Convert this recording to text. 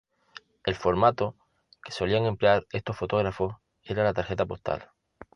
El formato que solían emplear estos fotógrafos era la tarjeta postal.